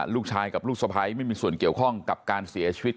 ลูกชายกับลูกสะพ้ายไม่มีส่วนเกี่ยวข้องกับการเสียชีวิต